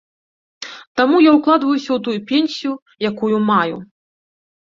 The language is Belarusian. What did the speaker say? Таму я ўкладваюся ў тую пенсію, якую маю.